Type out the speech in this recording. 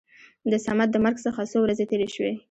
د صمد د مرګ څخه څو ورځې تېرې شوې.